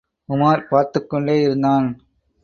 உமார் பார்த்துக் கொண்டே இருந்தான்.